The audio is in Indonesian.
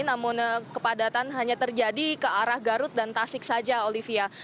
namun kepadatan hanya terjadi ke arah garut dan tasik saja olivia